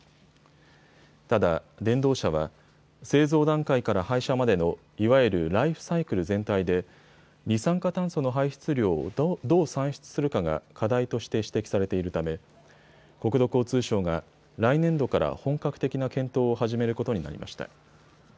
ただ電動車は製造段階から廃車までのいわゆるライフサイクル全体で二酸化炭素の排出量をどう算出するかが課題として指摘されているため国土交通省が来年度から本格的な検討を始めることになりました。